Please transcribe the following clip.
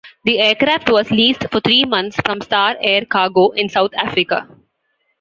The aircraft was leased for three months from Star Air Cargo in South Africa.